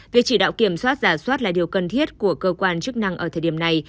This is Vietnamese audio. việc chỉ đạo kiểm soát giả soát là điều cần thiết của cơ quan chức năng ở thời điểm này